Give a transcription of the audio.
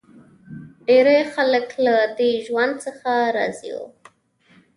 ډېری خلک له دې ژوند څخه راضي و.